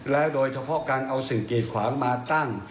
โดยเฉพาะการเอาสิ่งกีดขวางมาตั้ง